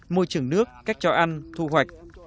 môi trường nước cách cho ăn thu hoạch